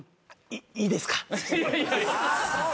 いいですか？